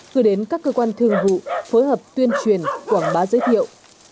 gửi đến các cơ quan thương vụ phối hợp tuyên truyền quảng bá giới thiệu